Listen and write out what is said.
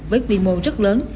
với vi mô rất lớn